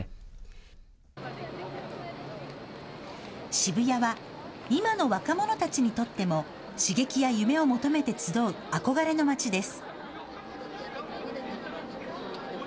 渋谷は今の若者たちにとっても刺激や夢を求めて集う憧れの街です。